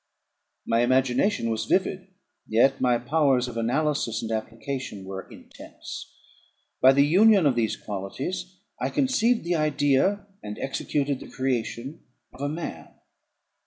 My imagination was vivid, yet my powers of analysis and application were intense; by the union of these qualities I conceived the idea, and executed the creation of a man.